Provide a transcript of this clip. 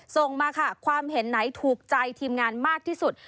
ส่งมาค่ะความเห็นไหนถูกใจทีมงานมากที่สุด